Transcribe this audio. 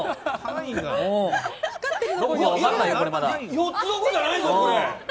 ４つどころじゃないぞ、これ！